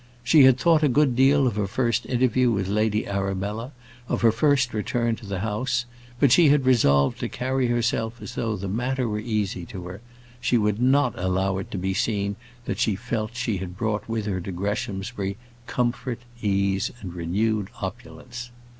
She had thought a good deal of her first interview with Lady Arabella, of her first return to the house; but she had resolved to carry herself as though the matter were easy to her. She would not allow it to be seen that she felt that she brought with her to Greshamsbury, comfort, ease, and renewed opulence.